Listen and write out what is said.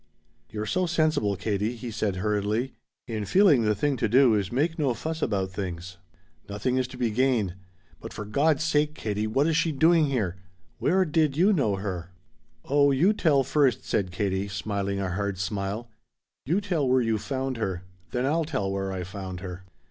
"You're so sensible, Katie," he said hurriedly, "in feeling the thing to do is make no fuss about things. Nothing is to be gained But for God's sake, Katie, what is she doing here? Where did you know her?" "Oh you tell first," said Katie, smiling a hard smile. "You tell where you found her, then I'll tell where I found her."